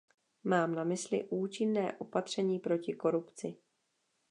Mám na mysli účinné opatření proti korupci.